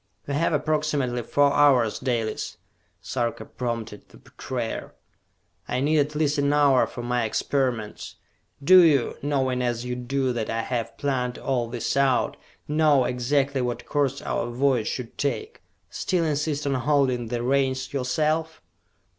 "We have approximately four hours, Dalis!" Sarka prompted the betrayer. "I need at least an hour for my experiments! Do you, knowing as you do that I have planned all this out, know exactly what course our voyage should take, still insist on holding the reins yourself?"